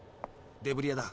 デブリ屋だ。